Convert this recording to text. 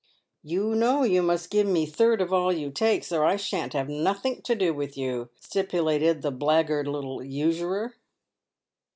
" You know you must give me third of all you takes, or I shan't have nothink to do with you," stipulated the blackguard little usurer.